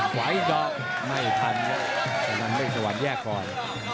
ไหวก็ไม่ทันแต่มันไม่สะวันแยกก่อน